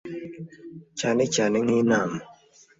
cyane cyane nk’inama